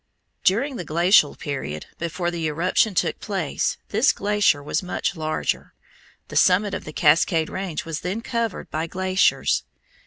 During the Glacial period, before the eruption took place, this glacier was much larger. The summit of the Cascade Range was then covered by glaciers.